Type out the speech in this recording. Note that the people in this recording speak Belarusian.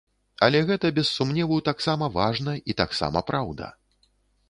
Але гэта без сумневу таксама важна і таксама праўда.